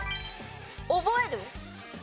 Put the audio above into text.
覚える。